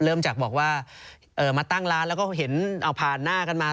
เริ่มจากบอกว่ามาตั้งร้านแล้วก็เห็นเอาผ่านหน้ากันมา